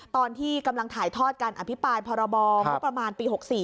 ตอนที่กำลังถ่ายทอดการอภิปรายพรบงบประมาณปี๖๔